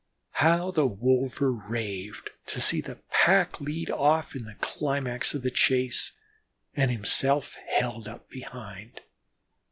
How the wolver raved to see the pack lead off in the climax of the chase, and himself held up behind.